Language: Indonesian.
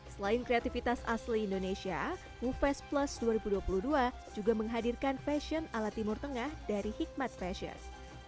selain kreativitas asli indonesia mufest plus dua ribu dua puluh dua juga menghadirkan fashion ala timur tengah dari hikmat fashion